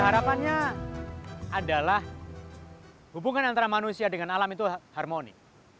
harapannya adalah hubungan antara manusia dengan alam itu harmoni